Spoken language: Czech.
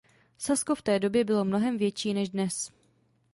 Sasko v té době bylo mnohem větší než dnes.